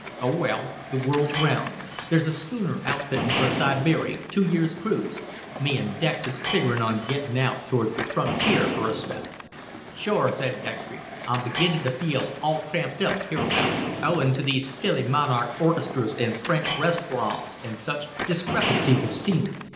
"Oh, well, the world's round. There's a schooner outfittin' for Sibeery two years' cruise. Me an' Dex is figgerin' on gettin' out towards the frontier fer a spell." "Sure!" said Dextry. "I'm beginnin' to feel all cramped up hereabouts owin' to these fillymonarch orchestras an' French restarawnts and such discrepancies of scenery.